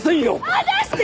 離して！